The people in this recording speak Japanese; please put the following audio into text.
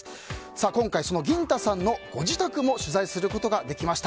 今回、そのぎん太さんのご自宅も取材することができました。